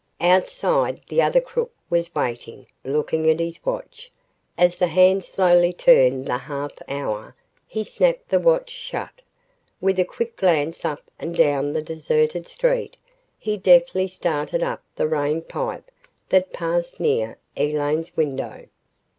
Outside, the other crook was waiting, looking at his watch. As the hand slowly turned the half hour, he snapped the watch shut. With a quick glance up and down the deserted street, he deftly started up the rain pipe that passed near Elaine's window.